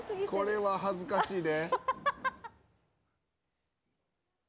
これ、恥ずかしいで。